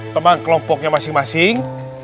teman kelompoknya masing masing